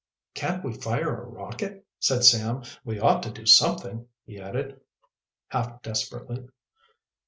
"Can't we fire a rocket?" said Sam. "We ought to do something," he added, half desperately.